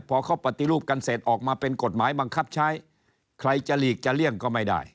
พอเขาปฏิรูปกันเสร็จออกมาเป็นกฎหมายบังคับใช้ใครจะหลีกจะเลี่ยงก็ไม่ได้